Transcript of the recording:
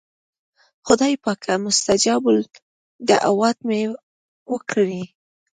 خدایه پاکه مستجاب الدعوات مې کړې.